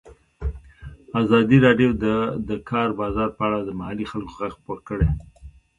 ازادي راډیو د د کار بازار په اړه د محلي خلکو غږ خپور کړی.